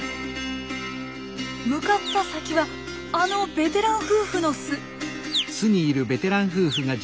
向かった先はあのベテラン夫婦の巣。